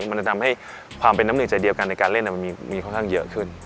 มันจะทำให้ความเป็นน้ำหนึ่งใจเดียวกันในการเล่นมันมีค่อนข้างเยอะขึ้น